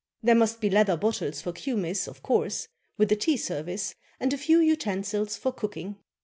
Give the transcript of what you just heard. There must be leather bottles for kumis, of course, ^vith a tea service, and a few utensils for cooking.